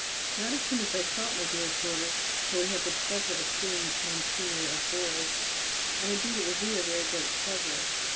Not as soon as I thought, my dearest daughter, shall we have the pleasure of seeing Mgr. of Bourges, and indeed it will be a very great pleasure.